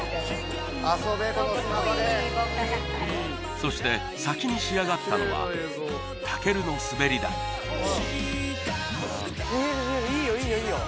そして先に仕上がったのはたけるのすべり台いいよいいよ！